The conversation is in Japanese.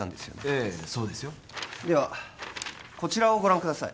ええそうですよではこちらをご覧ください